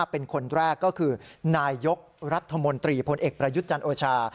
เป็นคนแรกก็คือนายยกรัฐมนตรีพลเอกประยุทธ์จันทร์โอชา